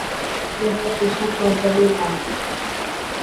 তুমি এখন একটা পোষাক কোম্পানির মালিক।